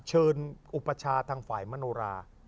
เชิญอุบัชชาติทางฝ่ายมโรลา